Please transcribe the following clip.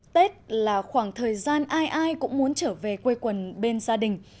tết là khoảng thời gian ai ai cũng muốn trở về quê quần bên gia đình